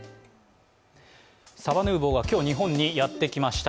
サバヌーヴォーが今日、日本にやってきました。